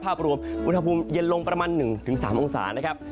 ภาพรวมอุณหภูมิเย็นลงประมาณ๑๓องศานะครับ